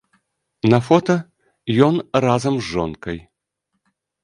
На фота ён разам з жонкай.